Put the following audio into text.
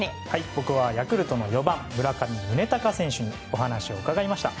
僕はヤクルトの４番村上宗隆選手にお話を伺いました。